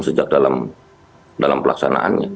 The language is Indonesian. sejak dalam pelaksanaannya